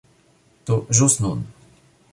Do ĵus nun